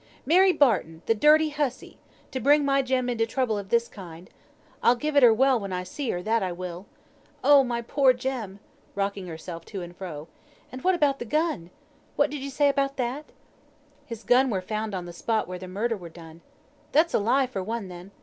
"Mary Barton! the dirty hussey! to bring my Jem into trouble of this kind. I'll give it her well when I see her: that I will. Oh! my poor Jem!" rocking herself to and fro. "And what about the gun? What did ye say about that?" "His gun were found on th' spot where the murder were done." "That's a lie for one, then.